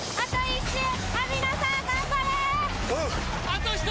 あと１周！